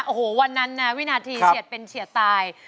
โอ้โหวันนั้นนะวินาทีเฉียดเป็นเฉียดตาย